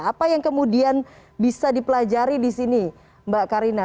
apa yang kemudian bisa dipelajari di sini mbak karina